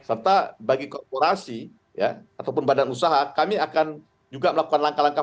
serta bagi korporasi ataupun badan usaha kami akan juga melakukan langkah langkah